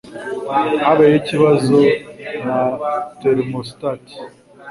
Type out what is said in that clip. Habayeho ikibazo na thermostat